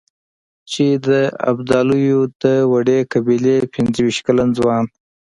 چې د ابدالیو د وړې قبيلې پنځه وېشت کلن ځوان.